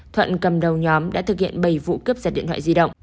thuận cầm đầu nhóm đã thực hiện bảy vụ cướp giật điện thoại di động